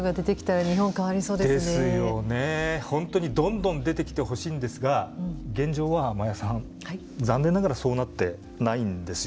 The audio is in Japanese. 本当にどんどん出てきてほしいんですが現状は真矢さん残念ながらそうなってないんですよ。